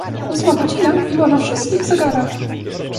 "Ósma godzina biła na wszystkich zegarach."